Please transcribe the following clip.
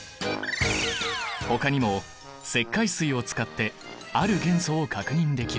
ほかにも石灰水を使ってある元素を確認できる。